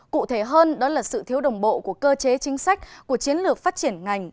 cụ thể hơn đó là sự thiếu đồng bộ của cơ chế chính sách của chiến lược phát triển ngành